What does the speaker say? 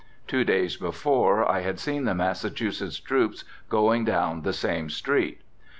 Two days before, I had seen the Massachusetts troops going down the same street.